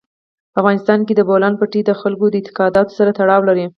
په افغانستان کې د بولان پټي د خلکو د اعتقاداتو سره تړاو لري.